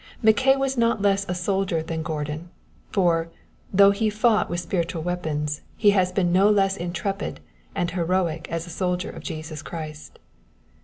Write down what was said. Mackay was not less a soldier than Gordon, for, though he has fought with spiritual weapons, he has been no less intrepid and heroic as a soldier of Jesus Christ.